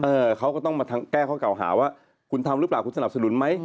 เขาก็ต้องมาแก้ข้อเก่าหาว่าคุณทำหรือเปล่าคุณสนับสนุนไหม